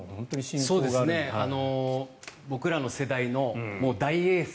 僕らの世代の大エース。